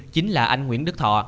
chính là anh nguyễn đức thọ